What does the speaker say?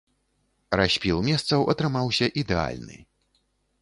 Распіл месцаў атрымаўся ідэальны.